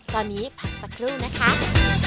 ตอนนี้พักสักครู่นะคะ